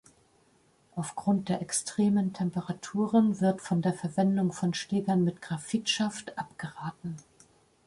Aufgrund der extremen Temperaturen wird von der Verwendung von Schlägern mit Graphit-Schaft abgeraten.